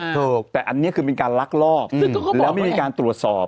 ถูกแต่อันนี้คือเป็นการลักลอบแล้วไม่มีการตรวจสอบ